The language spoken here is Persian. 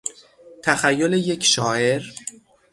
تخیل یک شاعر